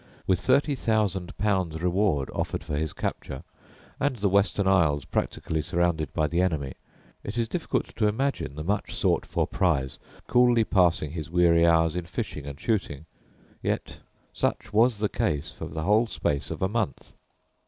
With thirty thousand pounds reward offered for his capture, and the Western Isles practically surrounded by the enemy, it is difficult to imagine the much sought for prize coolly passing his weary hours in fishing and shooting, yet such was the case for the whole space of a month.